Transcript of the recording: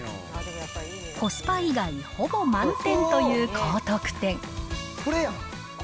コスパ以外ほぼ満点という高得点。